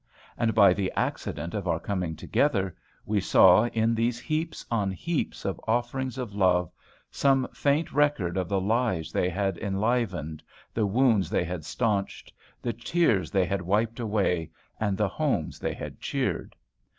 And, by the accident of our coming together, we saw, in these heaps on heaps of offerings of love, some faint record of the lives they had enlivened, the wounds they had stanched, the tears they had wiped away, and the homes they had cheered.